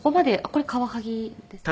これカワハギですね。